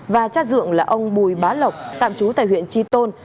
và chát dượng là ông bùi bá lộc tạm chú tại huyện tri tôn